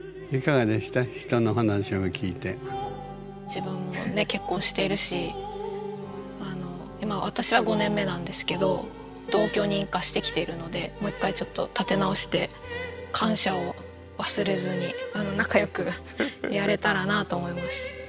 自分もね結婚しているし今私は５年目なんですけど同居人化してきているのでもう一回ちょっと立て直して感謝を忘れずに仲良くやれたらなと思います。